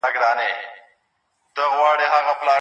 که موږ رښتیني شو، نو به د غلطو اطلاعاتو له خنثی کیدو واړو.